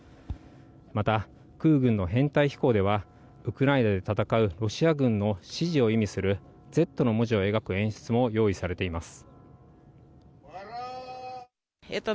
また、空軍の編隊飛行では、ウクライナで戦うロシア軍の支持を意味する、Ｚの文字を描く演出も用意されています。